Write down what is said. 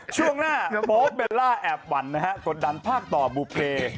อ๋อช่วงหน้าโป๊ปเบลล่าแอบวันนะครับกดดันพากต่อบุเฟย์